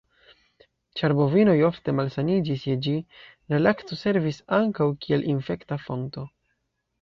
Ĉar bovinoj ofte malsaniĝis je ĝi, la lakto servis ankaŭ kiel infekta fonto.